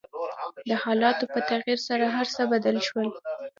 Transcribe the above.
د حالاتو په تغير سره هر څه بدل شول .